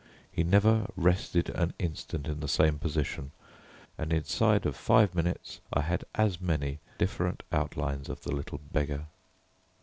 He never rested an instant in the same position, and inside of five minutes I had as many different outlines of the little beggar.